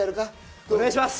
本当、お願いします！